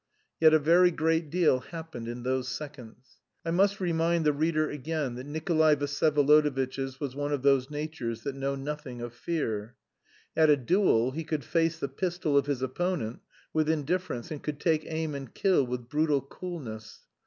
Yet a very great deal happened in those seconds. I must remind the reader again that Nikolay Vsyevolodovitch's was one of those natures that know nothing of fear. At a duel he could face the pistol of his opponent with indifference, and could take aim and kill with brutal coolness.